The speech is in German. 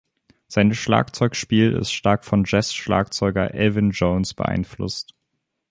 Sein Schlagzeugspiel ist stark vom Jazz-Schlagzeuger Elvin Jones beeinflusst.